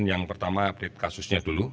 yang pertama update kasusnya dulu